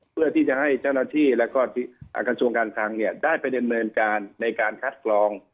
เพื่อที่จะให้เจ้าหน้าที่และก็กระทรวงการทางเนี่ยได้ประเด็นดำเนินการในการคัดกรอง